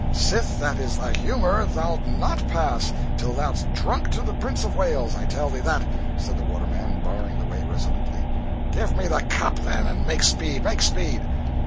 "Sith that is thy humour, thou'lt not pass, till thou'st drunk to the Prince of Wales, I tell thee that," said the waterman, barring the way resolutely. "Give me the cup, then, and make speed, make speed!"